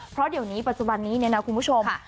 เพราะเดี๋ยวนี้ปัจจุบันนี้เนี่ยนะคุณผู้ชม